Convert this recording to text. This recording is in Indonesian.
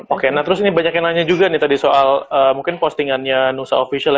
oke nah terus ini banyak yang nanya juga nih tadi soal mungkin postingannya nusa official ya